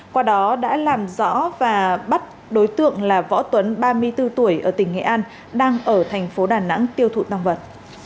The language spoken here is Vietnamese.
qua đó đã làm rõ và bắt đối tượng là võ tuấn ba mươi bốn tuổi ở tỉnh nghệ an đang ở thành phố đà nẵng tiêu thụ tăng vật